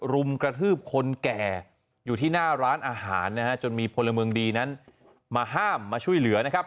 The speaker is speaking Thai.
รุมกระทืบคนแก่อยู่ที่หน้าร้านอาหารนะฮะจนมีพลเมืองดีนั้นมาห้ามมาช่วยเหลือนะครับ